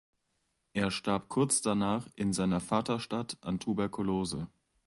Er starb kurz danach in seiner Vaterstadt an Tuberkulose.